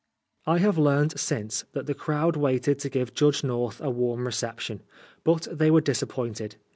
'* I have learnt since that the crowd waited to give Judge North a warm reception. But they were disap pointed.